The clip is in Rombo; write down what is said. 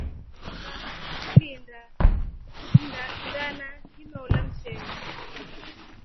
Ngama ngilinda mndana nginola mshele.